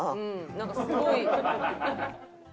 なんかすごい。